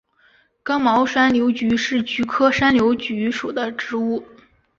刚毛山柳菊是菊科山柳菊属的植物。